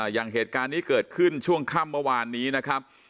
อย่างเหตุการณ์นี้เกิดขึ้นช่วงค่ำเมื่อวานนี้นะครับ